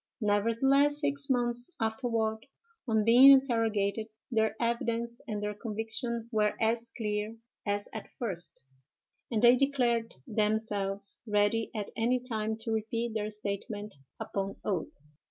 Nevertheless, six months afterward, on being interrogated, their evidence and their conviction were as clear as at first, and they declared themselves ready at any time to repeat their statement upon oath."